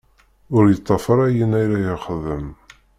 Ur yettaf ara ayen ara yexdem.